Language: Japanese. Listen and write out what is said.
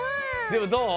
でもどう？